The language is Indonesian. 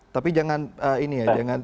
tapi jangan ini ya